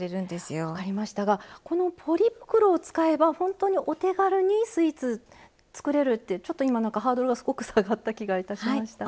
このポリ袋を使えばほんとにお手軽にスイーツつくれるってちょっと今何かハードルがすごく下がった気がいたしました。